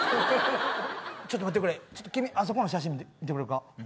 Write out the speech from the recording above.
ちょっと待ってくれ君、あそこの写真見てくれるか。